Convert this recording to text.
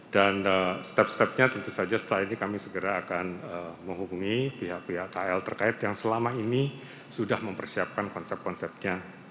dan step stepnya tentu saja setelah ini kami segera akan menghubungi pihak pihak kl terkait yang selama ini sudah mempersiapkan konsep konsepnya